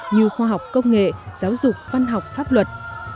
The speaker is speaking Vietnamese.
như khoa học công nghệ giáo dục văn học pháp luật